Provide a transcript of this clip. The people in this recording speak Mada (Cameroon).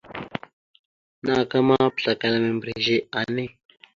Naka ma, pəslakala membirez a ne.